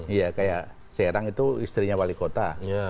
iya kayak serang itu istrinya wali kota